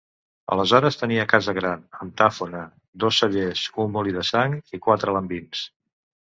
Aleshores tenia casa gran, amb tafona, dos cellers, un molí de sang i quatre alambins.